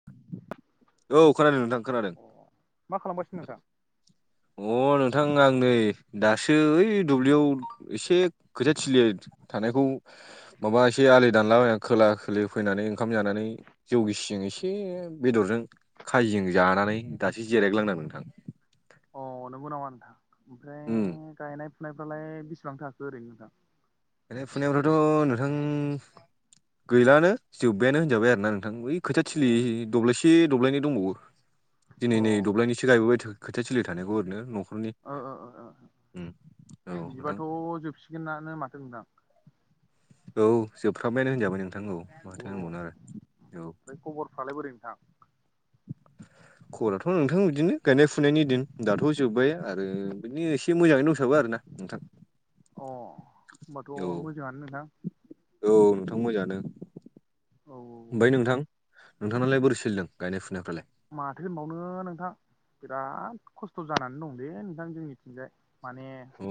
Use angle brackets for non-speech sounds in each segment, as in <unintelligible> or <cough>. <inaudible> औ खोनादों नोंथां खोनादों अ मा खालामगासिनो नोंथां अ नोंथां आं नै दासो ओइ दुब्लिउआव एसे खोथा थिलि थानायखौ माबा एसे आलि दानलाबायना खोला खोलि फैनानै ओंखाम जानानै जौगिसिजों एसे बेदरजों खाजजों जानानै दासो जिरायग्लांदों नोंथां अ नोंगौ नामा नोंथां ओमफ्राय उम गायनाय फुनायफ्रालाय बेसेबां थाखाखो ओरैनो नोंथां फुनायावथ' नोंथां गैलानो जोब्बायानो होनजाबाय आरोना नोंथां बै खोथिया अ थिलि दब्लायसे दब्लायनै दंबावो। ओ दिनै नै दब्लायनैसो गायबोबाय थो खोथिया थिलि थानायखौ ओरैनो न'खरनि ओ <unintelligible> उम औ नोंथां बिदिबाथ' जोबसिगोनानो माथो नोंथां औ जोबफ्रामबायानो होनजाबाय नोंथां औ अ माथो होनबावनो ओमफ्राय आरो औ खबरफ्रालाय बोरै नोंथां? <inaudible> खबराथ' नोंथां बिदिनो गायनाय फुनायनि दिन दाथ' जोब्बाय आरो बिदिनो एसे मोजाङै दंसाबो आरो ना <inaudible> अ होमबाथ' मोजाङानो नोंथां औ नोंथां मोजाङानो औ औ ओमफ्राय औ नोंथां नोंथांनालाय बोरै सोलिदों गायनाय फुनायफ्रालाय? माथो होनबावनो नोंथां! बिराद खस्थ' जानानै दंलै नोंथां जोंनिथिंजाय माने अ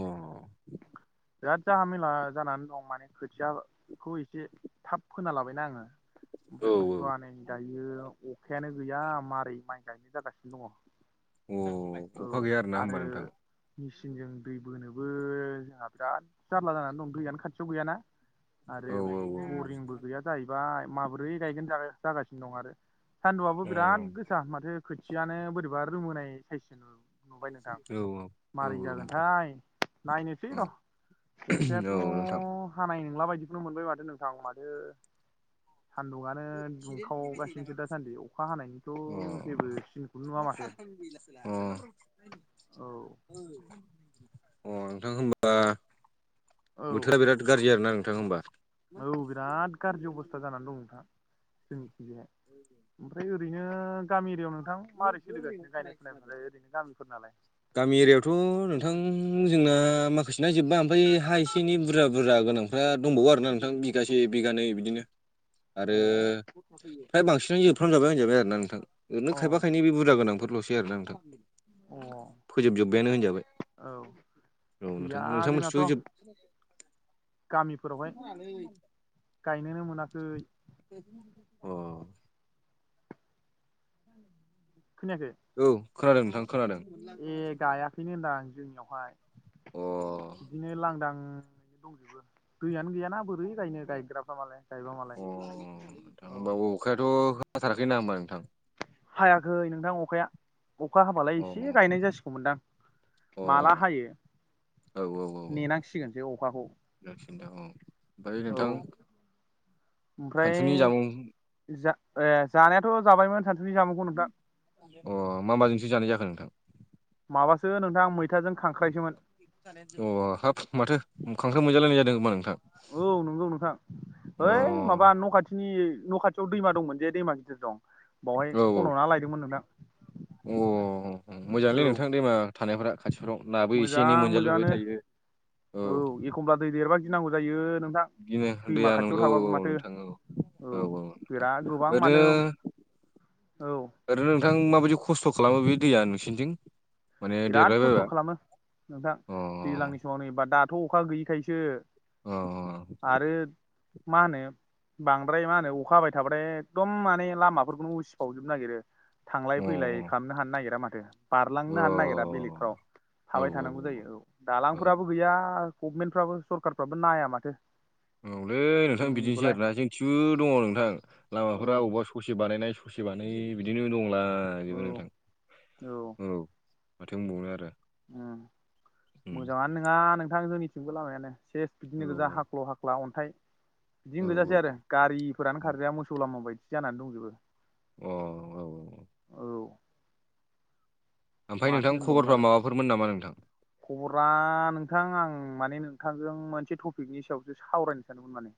बिराद जाहा मेला जानानै दं माने खोथियाखौ एसे थाब फोना लाबायना आङो औ ओमफ्राय बुस्थुआ नै दायो अखायानो गैया मारै माइ गायनाय जागासिनो दङ अ अखा गैया आरोना होमबा नोंथां मेसिनजों दै बोनोबो जोंहा बिराद जारला जानानै दं दैयानो खाथियाव गैयाना औ आरो औ बरिंबो गैया जाहैबाय माबोरै गायगोन जा जागासिनो दं आरो सान्दुआबो बिराद गोसा माथो खोथियानो बोरैबा रोमोनाय साइजस नुबाय नोंथां औ औ मारै नोंथां जागोनथाय नायनोसै औ र' अखायाथ' औ नोंथां हानाय नंला बायदिखौनो मोनबाय माथो नोंथां माथो सान्दुंङनो दुंखावगासिनोसो दासान्दि अखा हानायनिथ' अ अ जेबोसिन <unintelligible> औ अ नोंथां होनबा औ बोथोरा बिराद गाज्रि आरोना नोंथां होनबा औ बिराद गाज्रि अबस्था जानानै दं नोंथां जोंनिथिगाया ओमफ्राय ओरै ओरैनो गामि एरियायाव नोंथां माबोरै सोलिगासिनो गायनाय फुनायफ्रालाय ओरैनो गामिफोर नालाय? गामि एरियायावथ' नोंथां जोंना माखासे ना जोब्बाय ओमफ्राय हा एसे एनै बुरजा बुरजा गोनां फ्रा दंबावो आरोना नोंथां बिगासे बिगानै बिदिनो अ आरो फ्राय बांसिनै जोबफ्रामजोबाय होनजाबाय आरोना नोंथां ओरैनो अ खायफा खायनै बे बुरजा गोनांफोरल'सै आरोना नोंथां। अ फोजोबजोब्बायानो होनजाबाय। औ औ नोंथां गैया नोंथां जोंनाथ' मोनथिथ' जोब <inaudible> गामिफोरावहाय गायनोनो मोनाखै जदि खोनायाखै औ खोनादों नोंथां खोनादों ए गायाखैनो होनदां आं जोंनियावहाय अ बिदिनो लांदां नो दंजोबो दैयानो गैयाना बोरै गायनो गायग्राफ्रा मालाय गायब मालाय अ नोंथां औ होमबा अखायाथ' होथाराखै नङा होनबा नोंथां हायाखै नोंथां अखाया। अखा हाबालाय अ एसे गायनाय जासिगौमोनदां अ औ माला हायो औ औ नेनांसिगोनसो अखाखौ। नोंसिना औ ओमफ्राय औ नोंथां ओमफ्राय सानसुनि जामुं जा ए जानायाथ' जाबायमोन सानसुनि जामुंखौ नोंथां अ मा माजोंसो जानाय जाखो नोंथां माबासो नोंथां मैथाजों खांख्रायसोमोन अ हाब माथो खांख्राय मोनजालायनाय जादों होमा नोंथां औ नंगौ नोंथां अ हैओइ माबा न' खाथिनि न' खाथियाव दैमा दंमोन जे दैमा गिदिर दं बावहाय औ खन'ना लायदोंमोन नोंथां औ अ मोजाङलै औ नोंथां दैे मा आ थानायफोरा खाथिफ्राव नाबो एसे मोजां एनै मोनजालुबाय मोजाङानो थायो औ दै देरबा गिनांगौ जायो नोंथां बिदिनो दैमा दैया खाथियाव नंगौ थाबाबो औ माथो नोंथां औ औ औ बिराद गोबां ओरैनो मानोे औ ओरैनो नोंथां माबायदि खस्थ' खालामो बे दैया नोंसिनिथिं माने बिराद खस्थ' देरबायबायबा खालामो नोंथां अ दैज्लांनि बे नैबा दाथ' अखा गैयिखायसो अ आरो मा होनो बांद्राय मा होनो अखा हाबाय थाब्राय एखदम माने लामाफोरखौनो उसिफावजोबनो नागिरो अ थांलाय फैलाय खालामनो हानो नागिरा माथो औ बारलांनो हानो नागिरा बेलेगफ्राव थाबाय थानांगौ जायो औ औ दालांफोराबो गैया गभमेन्टफ्राबो सरखारारफ्राबो नाया माथो औलै नोंथां बिदिनोसै जोंनिखौलाय आरोना जोंथि दङ नोंथां लामाफोरा औ बबावबा स ससे बानायनाय ससे बानायै बिदिनो दंलाजोबो औ नोंथां औ माथो बुंबावनो आरो उम मोजाङानो नङा नोंथां जोंनिथिंबो लामायानो चस औ बिदिनो गोजा हाख्ल' हाख्ला अन्थाइ औ बिदिनो औ गोजासै आरो गारिफोरानो औ खारजाया मोसौ लामा बायदि जानानै दंजोबो अ औ औ ओमफ्राय नोंथां माथो होनबावनो खबरफ्रा आरो माबाफोरमोन नामा नोंथां खबरा नोंथां आं माने नोंथांजों मोनसे टपिकनि सायावसो सावरायनो सानोदों माने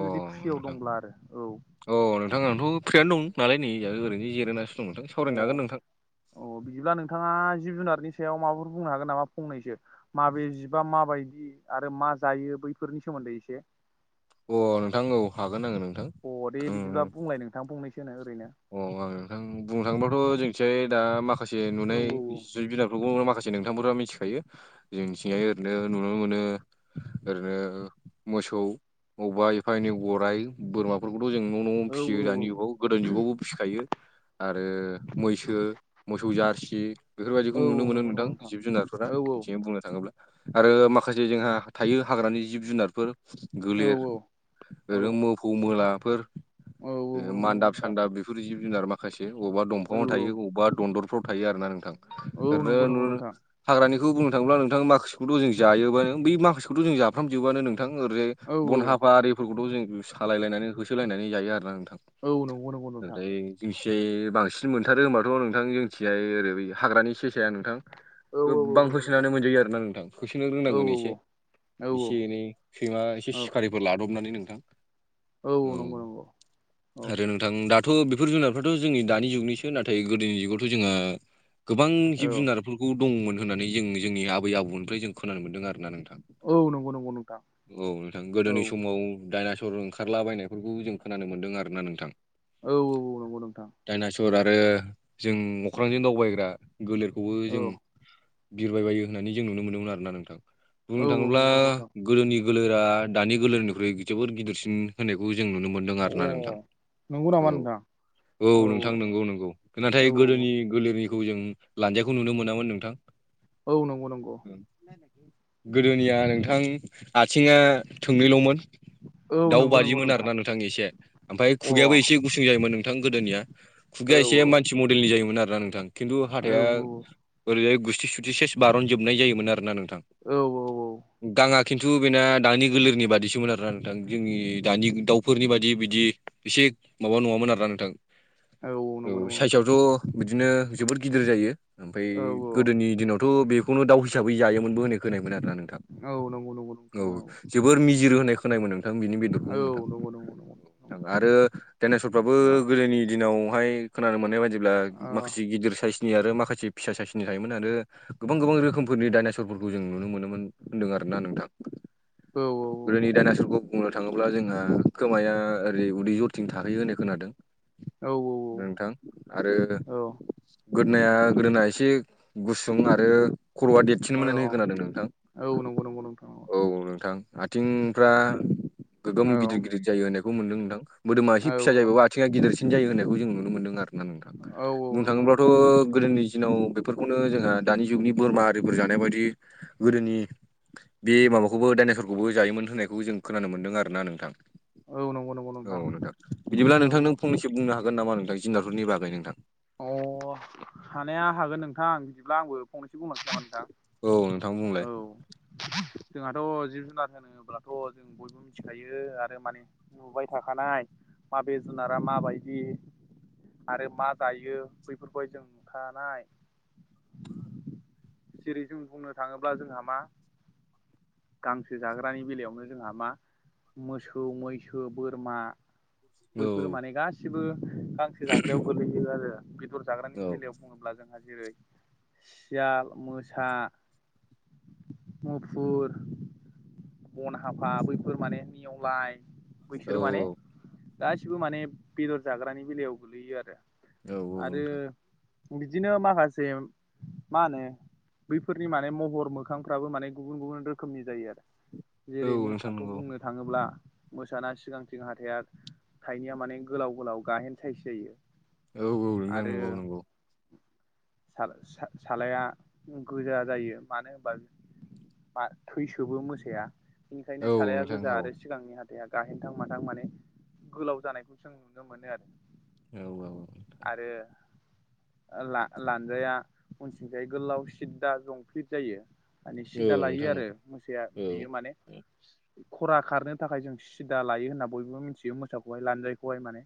अ जुदि फुयाव नोंथां दंब्ला आरो औ अ नोंथांथ' फ्रियानो दं नालाय नै ओरैनो जिरायोनाो दं नोंथां सावरायनो औ हागोन नोंथां अ बिदिब्ला नोंथाङा जिब जुनारनि सायाव माबाफोर बुंनो हागोन नामा फंनैसो माबे जिबा माबायदि आरो मा जायो बैफोरनि सोमोन्दै एसे अ नोंथां औ हागोन आङो नोंथां अ दे बिदिब्ला बुंलाय नोंथां फंनैसो ओरैनो अ आं नोंथां बुंनो थाङोबथ' जोंनिथियाय दा माखासे नुनाय जब बिनारफोरखौ माखासे नोंथांमोन मिथिखायो जोंथिं ओरैनो नुनो मोनो ओरैनो मोसौ अबा एफा एनै गराइ बोरमाफोरखौथ जों न न औ आवनो फिसियो औ दानि जुगाव गोदान जुगावबो फिखायो। आरो मैसो मोसौ जारसि बेफोर बायदिखौ औ नुनो औ मोनो नंगौ नंगौ नोंथां जिब जुनारफोरा औ बिथिं बुंनो थाङोब्ला। आरो माखासे जोंहा थायो हाग्रानि जिब जुनारफोर। औ गोलेर औ औ ओरै मोफौ मोलाफोर औ औ नंगौ नंगौ मान्दाब नोंथां सानदाब बेफोर जिब जुनार मा खायसे अबावबा औ दंफाङाव थायो अबावबा दनदरफ्राव थायो आरोना नोंथां औ नंगौ ओरैनो नंगौ नु नोंथां हाग्रानिखौ बुंनो थाङोब्ला नोंथां माखासेखौथ जों जायोबो बै माखासेखौथ जों जाफ्राम जोबोआनो नोंथां ओरै। औ बन हाफा आरिफोरखौथ जों सालाय लायनानै होसोलायनानै जायो आरोना नोंथां। औ नंगौ नंगौ नोंथां। जेसे बांसिन मोनथारो होनोमबाथ नोंथां जोंनिथिंजाय ओरै बै हाग्रानि सेसाया नोंथां। औ औ औ गोबां नंगौ नोंथां होसोनानै मोनजायो आरोना नोंथां होसोनो औ रोंनांगोन एसे। औ एसे एनै सैमा एसे औ सि <unintelligible> लादबनानै नोंथां औ नंगौ नंगौ औ औ आरो थां दाथ बेफोर जुनारफ्राथ जोंनि दानि जुगनिसो नाथाय गोदोनि जुगावथ जोंहा गोबां औ जिब जुनारफोरखौ दंमोन होननानै जों जोंनि आबै आबौनिफ्राय जों खोनानो मोनदों आरोना नोंथां। औ नंगौ नंगौ नोंथां। औ नोंथां औ गोदोनि समाव डाइनासर ओंखारला बायनायफोरखौ जों खोनानो मोनदों आरोना नोंथां। औ औ औ नंगौ नोंथां। डाइनासर आरो जों अख्रांजों दावबायग्रा गोलेरखौबो औ जों बिरबाय बायो होननानै जों नुनो मोनदोंमोन आरोना नोंथां बुंनो औ नंगौ थाङोब्ला नंगौ नोंथां गोदोनि गोलेरा दानि गोलेरनिख्रुइ जोबोर गिदिरसिन होनायखौ जों नुनो मोन दों अ आरोना नोंथां नंगौ नामा औ। नोंथां औ नोंथां नंगौ नंगौ औ नाथाय गोदोनि गोलेरि खौ जों लानजायखौ नुनो मोनामोन नोंथां। औ नंगौ नंगौ। गोदोनिया नोंथां आथिंया थोंनैलमोन। औ दाउ नंगौ नंगौ बादिमोन आरोना नोंथां एसे ओमफाय अ औ खुगायाबो एसे गुसुं जायोमोन नोंथां गोदोनिया। औ खुगाया एसे मानसि मडेलनि जायोमोन आरोना नोंथां खिनथु औ हाथाया ओरैजाय गुस्थि सुस्थि सेस बारन जोबनाय जायोमोन आरोना नोंथां। औ औ औ। गाङा खिनथु बेना दानि गोलोरनि बादिसोमोन आरोना नोंथां जोंनि दानि दाउफोरनि बादि बिदि एसे माबा नङामोन आरोना नोंथां। औ औ नंगौ नंगौ नोंथां साइसयावथ बिदिनो जोबोद गिदिर जायो ओमफाय औ गोदोनि दिनावथ बे खुनु दा फिसाबो जायोमोनबो होननाय खोनायोमोन आरोना नों औ नंगौ नंगौ नोंथां औ। जोबोर मिजिरो होननाय खोनायोमोन नोंथां बिनि बेदरखौ औ औ नोंथां नंगौ नंगौ नंगौ औ। आरो डाइनासरफ्राबो नंगौ गोदोनि दिनावहाय खोनानो मोननाय बायदि ब्ला औ माखासे गिदिर साइसनि आरो माखासे फिसा साइसनि थायोमोन आरो गोबां गोबां रोखोमफोरनि डाइनासरफोरखौ जों नुनो मोनोमोन होन्दों आरो ना नोंथां। औ गोदोनि डाइनासरखौ बुंनो थाङोब्ला जोंहा खोमाया ओरै उदै जरथिं थाहैयो होननाय खोनादों। नोंथां आरो गोदोनाया गोदोना एसे गुसुं आरो खरआ औ देदसिनमोन होनना औ खोनादों नोंथां। औ नंगौ नंगौ नंगौ नोंथां औ गां आथिंफ्रा गोगोम औ गिदिर गिदिर जायो होननायखौ मोन्दों नोंथां। मोदोमा एसे औ फिसा जायोबाबो आथिङा गिदिरसिन जायो होननायखौ जों नुनो मोनदों आरो नोंथां औ बुंनो नंगौ नोंथां थाङोब्लाथ' गोदोनि दिनाव बे बेफोरखौनो जोंहा दानि जुगनि बोरमा आरिफोर जानाय बायदि गोदोनि बे माबाखौबो दडाइनेसरखौबो जायोमोन होननायखौ जों खोनानो मोन्दों आरोना नोंथां औ नंगौ नंगौ औ नोंथां बिदिब्ला औ नोंथां औ नों फंनैसो बुंनो हागोन नामा नोंथां जुनारफोरनि बागै नोंथां अ हानाया हागोन नोंथां बिदिब्ला आंबो फंनैसो बुंनो थां औ नोंथां बुंलाय औ जोंहाथ' जिब जुनार होनोब्लाथ' जों बय बे मिथिखायो आरो माने नुबाय थाखानाय माबे जुनारा माबायदि आरो मा जायो बैफोरखौहाय जों नुखानाय जेरै जों बुंनो थाङोब्ला जोंहा मा गांसो जाग्रानि बेलायावनो जोंहा मा मोसौ मैसो बोरमा औ बैफोरो माने गासिबो गांसो जाग्रायाव गोलैयो आरो बेदर जाग्रानि औ बेलायाव बुङोब्ला जोंहा जेरै सियाल मोसा मुफुर बन हाफा बैफोर माने नेवलाय औ बैसोरो माने गासिबो माने बेदर जाग्रानि बेलायाव गोलैयो आरो औ औ आरो नोंथां बिदिनो माखासे मा होनो बैफोरनि माने महर मोखांफ्राबो माने गुबुन गुबुन रोखोमनि जायो आरो औ जेरै नोंथां मोसाखौ नंगौ बुंनो थाङोब्ला मोसाना सिगांथिं हाथाइया थाइनैया माने गोलाव गोलाव गाहेन साइस जायो औ औ नोंथां आरो नंगौ नंगौ सालाया गोजा जायो मानो होनबा मा थैसोबो मोसाया बेनिखायनो औ साराया नोंथां गोजा औ आरो सिगांनि हाथाइा गाहेनथां माथां माने गोलाव जानायखौ जों नुनो मोनो औ आरो आरो लानजाया उनथिंथायाइ गोलाव सिददा जंफलिट जाय माने औ सिद्दा लायो नोंथां औ आरो मोसाया औ बियो माने खरा खारनो थाखाय जों सिदा लायो होनना बयबो मिथियो मोसाखौहाय लानजायखौहाय माने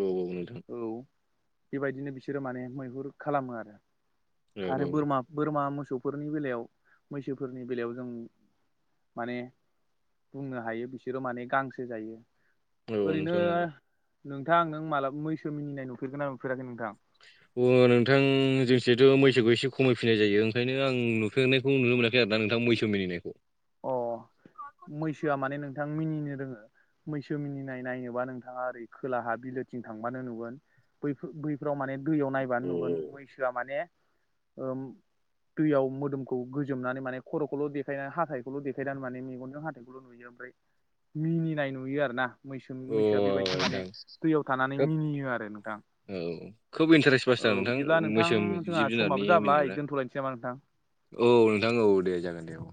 औ गाव नोंथां औ बेबायदिनो बिसोरो माने मैहुर खालामो आरो औ आरो बोरमा बोरमा मोसौफोरनि बेलायाव मैसोफोरनि बेलायाव जों माने बुंनो हायो बिसोरो माने गांसो जायो औ ओरैनो नोंथां नंगौ नोंथां नों मालाबा मैसो मिनिनाय नुफेरगोन ना नुफेराखै नोंथां अ नोंथां जोंसेथ' मैसोखौ एसे खमायफिननाय जायो ओंखायनो आं नु सोनायखौ नुनो मोनाखै आरो दा नोंथां मैसो मिनिनायखौ अ मैसोआ माने नोंथां मिनिनो रोङो मैसो मिनिनाय नायनोबा नोंथाङा ओरै खोलाहा बिलोथिं थांबानो नुगोन बैफोर बैफोराव माने दैयाव नायबानो औ नुगोन मैसोआ माने दैयाव मोदोमखौ गोजोमनानै माने खर' खल' देखायनानै हाथाय खौल' देखायनानै माने मेगनजों हाथायखौल' नुयो ओमफ्राय मिनिनाय नुयो आरो ना मैसोनि औ मैसोआ बेबायदि अ माने नोंथां दैयाव थानानै खोब मिनियो आरो नोंथां औ खोब इन्टारेस्ट औ बसिथार नोंथां बिदिब्ला मैसोम जोंहा जिब जुनारनि समाबो जाब्लाय मिनिनायफ्रा दोनथ'लायनोसै नामा नोंथां? औ नोंथां औ दे जागोन दे औ